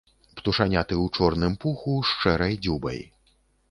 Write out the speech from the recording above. Птушаняты ў чорным пуху з шэрай дзюбай.